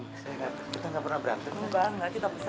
kita gak pernah berantem